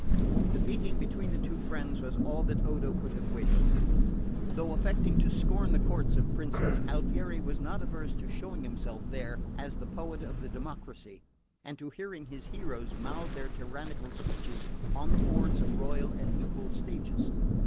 The meeting between the two friends was all that Odo could have wished. Though affecting to scorn the courts of princes, Alfieri was not averse to showing himself there as the poet of the democracy, and to hearing his heroes mouth their tyrannicidal speeches on the boards of royal and ducal stages.